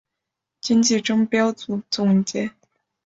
今季争标组总结。